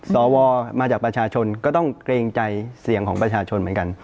สวมาจากประชาชนก็ต้องเกรงใจเสียงของประชาชนเหมือนกัน